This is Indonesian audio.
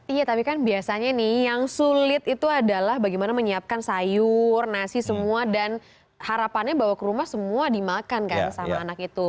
iya tapi kan biasanya nih yang sulit itu adalah bagaimana menyiapkan sayur nasi semua dan harapannya bawa ke rumah semua dimakan kan sama anak itu